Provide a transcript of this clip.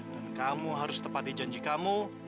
dan kamu harus tepati janji kamu